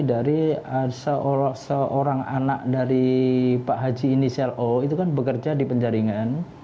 jadi dari seorang anak dari pak haji inisial o itu kan bekerja di penjaringan